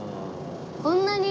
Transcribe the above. こんなに。